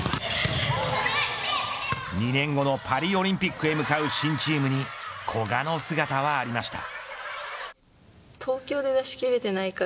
２年後のパリオリンピックへ向かう新チームに古賀の姿はありました。